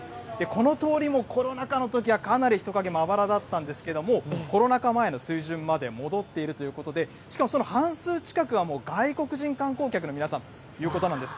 この通りもコロナ禍のときは、かなり人影まばらだったんですけど、もうコロナ禍前の水準まで戻っているということで、しかし、その半数近くは、外国人観光客の皆さんということなんです。